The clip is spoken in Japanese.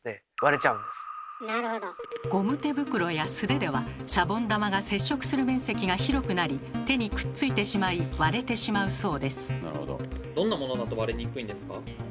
ゴム手袋や素手ではシャボン玉が接触する面積が広くなり手にくっついてしまい割れてしまうそうです。